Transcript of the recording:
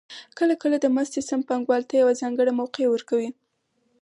کله کله د مزد سیستم پانګوال ته یوه ځانګړې موقع ورکوي